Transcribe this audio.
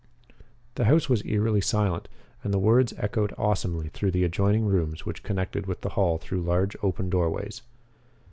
The house was eerily silent and the words echoed awesomely through the adjoining rooms which connected with the hall through large open doorways.